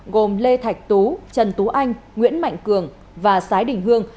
gồm lê thạch tú trần tú anh nguyễn mạnh cường và sái đình hương